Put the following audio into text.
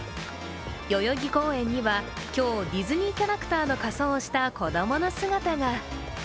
代々木公園には今日、ディズニーキャラクターの仮装をした子供の姿が。